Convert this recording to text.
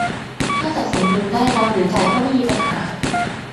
ถ้าจัดสมดุลได้รับหรือจ่ายก็ไม่มีปัญหา